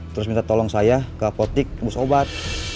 terus minta tolong saya ke apotik bus obat